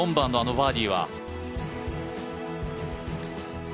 ４番のあのバーディーは。